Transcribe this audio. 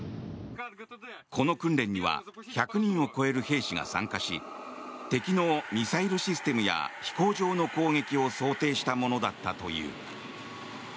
この訓練には１００人を超える兵士が参加し敵のミサイルシステムや飛行場の攻撃を想定したものだったという。